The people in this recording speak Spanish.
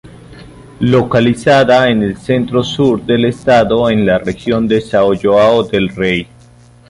Localizada en el centro-sur del estado, en la región de São João del-Rei.